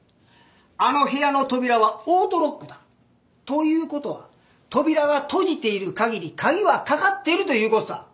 あの部屋の扉はオートロックだ。という事は扉が閉じている限り鍵はかかっているという事だ。